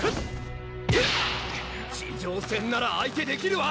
地上戦なら相手できるわ！